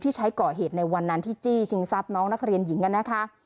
ใช้ก่อเหตุในวันนั้นที่จี้ชิงทรัพย์น้องนักเรียนหญิงกันนะคะ